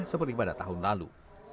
seperti pada tahun lalu